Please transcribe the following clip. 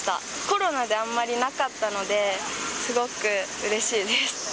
コロナであまりなかったので、すごくうれしいです。